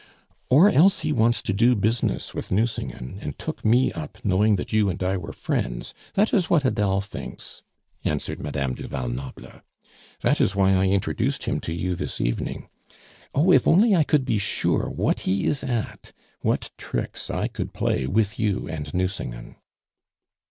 "Or else he wants to do business with Nucingen, and took me up knowing that you and I were friends; that is what Adele thinks," answered Madame du Val Noble. "That is why I introduced him to you this evening. Oh, if only I could be sure what he is at, what tricks I could play with you and Nucingen!"